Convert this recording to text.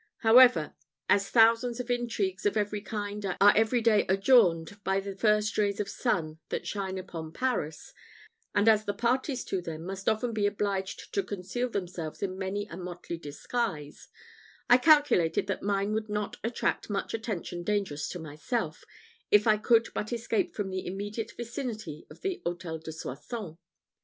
However, as thousands of intrigues of every kind are each day adjourned by the first rays of the sun that shine upon Paris, and as the parties to them must often be obliged to conceal themselves in many a motley disguise, I calculated that mine would not attract much attention dangerous to myself, if I could but escape from the immediate vicinity of the Hôtel de Soissons.